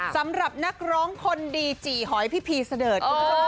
สำหรับนักร้องคนดีจี่หอยพี่พีสะเดิด